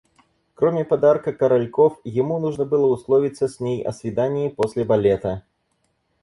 Кроме подарка коральков, ему нужно было условиться с ней о свидании после балета.